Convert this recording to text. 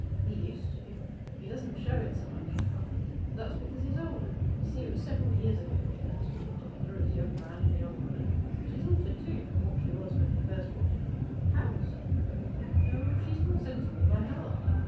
'He used to he doesn't show it so much now; but that's because he's older. You see, it was several years ago they first walked together as young man and young woman. She's altered too from what she was when he first courted her.' 'How, sir?' 'O, she's more sensible by half.